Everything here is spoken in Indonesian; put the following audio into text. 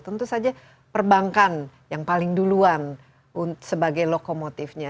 tentu saja perbankan yang paling duluan sebagai lokomotifnya